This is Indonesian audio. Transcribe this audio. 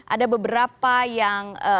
ada beberapa yang